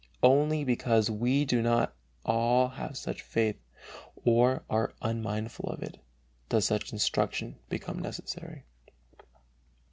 Only "because we do not all have such faith, or are unmindful of it," does such instruction become necessary.